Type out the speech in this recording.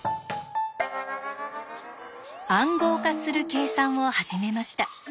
暗号化する計算を始めました。